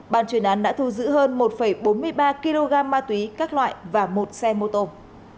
ban chuyên án đã thu giữ hơn một bốn mươi ba kg ma túy các loại và một xe mô tô